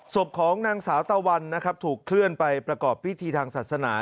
ศพของนางสาวตะวันนะครับถูกเคลื่อนไปประกอบพิธีทางศาสนา